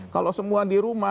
kalau semua di rumah